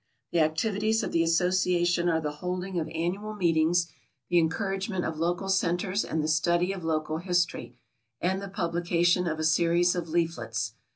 The activities of the Association are the holding of annual meetings, the encouragement of local centers and the study of local history, and the publication of a series of leaflets.